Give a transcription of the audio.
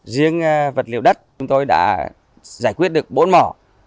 riêng vật liệu đất chúng tôi đã giải quyết được bốn mỏ